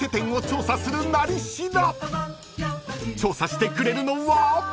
［調査してくれるのは］